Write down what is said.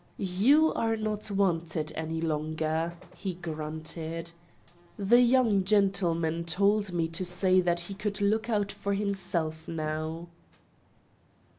"'You are not wanted any longer,' he grunted. 'The young gentleman told me to say that he could look out for himself now.